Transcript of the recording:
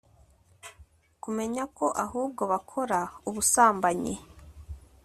kumenya ko ahubwo bakora ubusambanyi